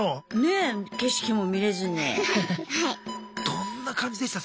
どんな感じでした？